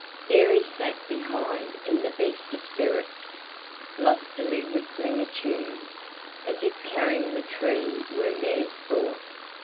There he sat behind in the best of spirits, lustily whistling a tune, as if carrying the tree were mere sport.